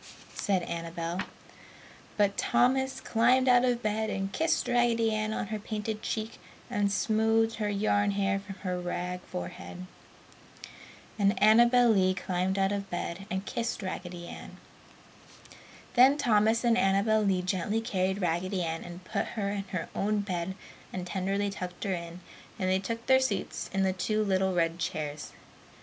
said Annabel. But Thomas climbed out of bed and kissed Raggedy Ann on her painted cheek and smoothed her yarn hair from her rag forehead. And Annabel Lee climbed out of bed, too, and kissed Raggedy Ann. Then Thomas and Annabel Lee gently carried Raggedy Ann and put her in her own bed and tenderly tucked her in, and then took their seats in the two little red chairs.